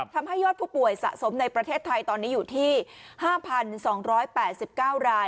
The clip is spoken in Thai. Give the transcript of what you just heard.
ทำให้ยอดผู้ป่วยสะสมในประเทศไทยตอนนี้อยู่ที่๕๒๘๙ราย